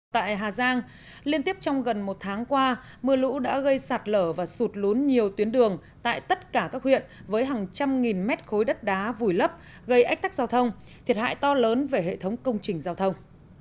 tại hà giang liên tiếp trong gần một tháng qua mưa lũ đã gây sạt lở và sụt lún nhiều tuyến đường tại tất cả các huyện với hàng trăm nghìn mét khối đất đá vùi lấp gây ách tắc giao thông thiệt hại to lớn về hệ thống công trình giao thông